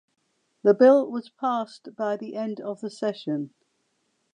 The Bill was passed by the end of the session.